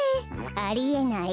ありえない。